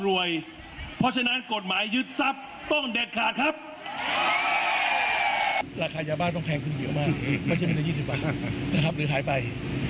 ว่าต้องแพงขึ้นเยอะมากไม่ใช่เป็นใน๒๐บาทหรือขายไป